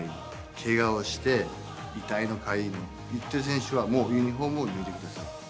けがをして、痛いのかゆいの言ってる選手は、もうユニホームを脱いでください。